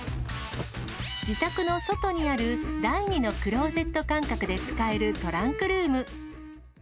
自宅の外にある第２のクローゼット感覚で使えるトランクルーム。